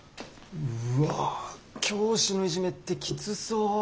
うわ教師のイジメってきつそう。